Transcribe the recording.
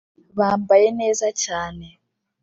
bambaye neza cyane